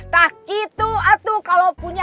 tak gitu atuh kalau punya hp